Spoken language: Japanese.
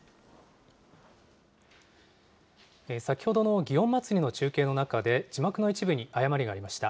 先ほどの祇園祭の中継の中で、字幕の一部に誤りがありました。